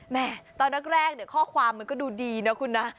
แม่ตอนแรกเนี่ยข้อความมันก็ดูดีนะคุณนะ